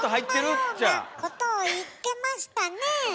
そんなようなことを言ってましたねぇ。